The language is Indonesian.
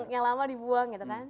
yang lama dibuang gitu kan